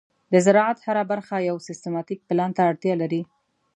د زراعت هره برخه یو سیستماتيک پلان ته اړتیا لري.